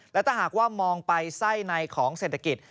และถ้าหากว่ามองไปไส้ในของเศรษฐกิจ